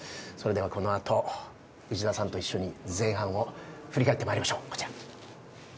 それではこのあと内田さんと一緒に前半を振り返ってまいりましょう。